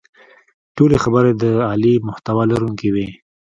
ټولې خبرې د عالي محتوا لرونکې وې.